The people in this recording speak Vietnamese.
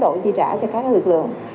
chúng ta sẽ chi trả cho các lực lượng